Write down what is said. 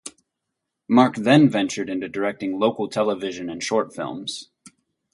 Mark then ventured into directing local television and short films.